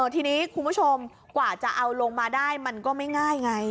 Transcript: ทีนี้คุณผู้ชมกว่าจะเอาลงมาได้มันก็ไม่ง่ายไง